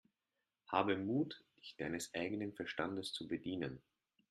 Habe Mut, dich deines eigenen Verstandes zu bedienen!